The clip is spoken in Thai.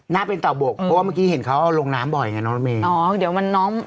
น่าเป็นเตาะบกเพราะว่าเมื่อกี้เห็นเขาลงน้ำบ่อยไงน้องลาเม